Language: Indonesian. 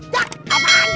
jack apaan sih ini